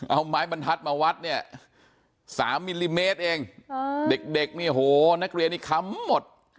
เอาไม้บรรทัศน์มาวัดเนี่ย๓มิลลิเมตรเองเด็กเนี่ยโหนักเรียนนี่ค้ำหมด